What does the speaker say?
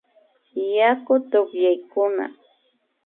Yaku tukyaykuna